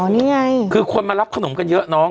นี่ไงคือคนมารับขนมกันเยอะน้อง